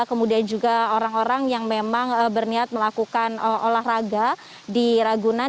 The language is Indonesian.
kemudian juga orang orang yang memang berniat melakukan olahraga di ragunan